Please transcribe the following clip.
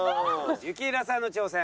雪平さんの挑戦。